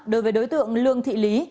đối với đối tượng lương thị lý